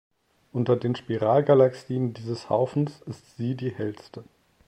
Unter den Spiralgalaxien dieses Haufens ist sie die hellste.